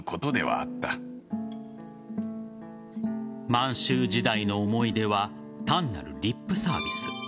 満州時代の思い出は単なるリップサービス。